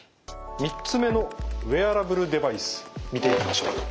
３つ目のウェアラブルデバイス見ていきましょう。